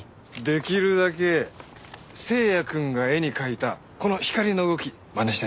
できるだけ星也くんが絵に描いたこの光の動きまねしてな。